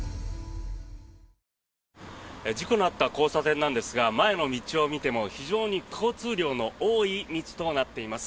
事故のあった交差点なんですが前の道を見ても非常に交通量の多い道となっています。